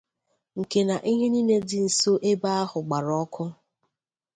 nke na ihe niile dị nso ebe ahụ gbara ọkụ